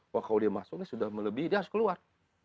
wah kalau dia masuknya sudah melebihi dia harus keluar